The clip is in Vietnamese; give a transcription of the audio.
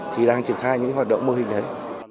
thì đang triển khai những hoạt động mô hình đấy